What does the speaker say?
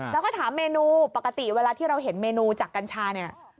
แล้วก็ถามเมนูปกติเวลาที่เราเห็นเมนูจากกัญชาเนี่ย